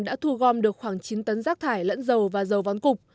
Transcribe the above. đã thu gom được khoảng chín tấn rác thải lẫn dầu và dầu vón cục